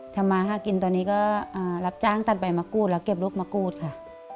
ทำมาหากินตอนนี้ก็รับจ้างตัดใบมะกรูดแล้วเก็บลูกมะกรูดค่ะ